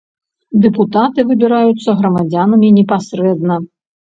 Дэпутаты выбіраюцца грамадзянамі непасрэдна.